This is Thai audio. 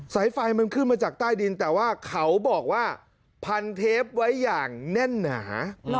สายไฟมันขึ้นมาจากใต้ดินแต่ว่าเขาบอกว่าพันเทปไว้อย่างแน่นหนา